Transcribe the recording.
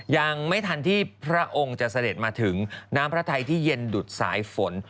ยังไม่ทันที่พระองค์จะเสด็จมาถึงน้ำพระไทยที่เย็นดุดสายฝน